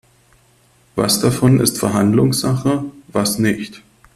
Was davon ist Verhandlungssache, was nicht?